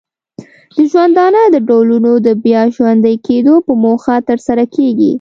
د ژوندانه د ډولونو د بیا ژوندې کیدو په موخه ترسره کیږي.